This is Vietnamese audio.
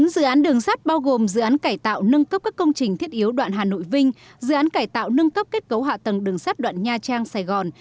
bốn dự án đường sắt bao gồm dự án cải tạo nâng cấp các công trình thiết yếu đoạn hà nội vinh dự án cải tạo nâng cấp kết cấu hạ tầng đường sắt đoạn nha trang sài gòn